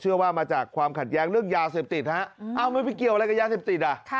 ว่ามาจากความขัดแย้งเรื่องยาเสพติดฮะเอ้ามันไปเกี่ยวอะไรกับยาเสพติดอ่ะ